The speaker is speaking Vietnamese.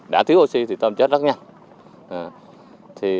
đã thiếu oxy thì tôm chết rất nhanh